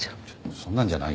そんなんじゃないよ。